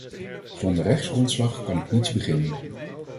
Zonder rechtsgrondslag kan ik niets beginnen.